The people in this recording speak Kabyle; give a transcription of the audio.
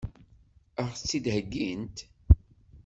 Ad ɣ-tt-id-heggint?